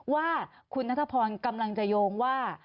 ว่าคุณนัทพรกำลังจะโยงว่า